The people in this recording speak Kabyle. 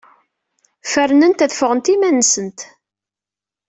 Fernent ad ffɣent iman-nsent.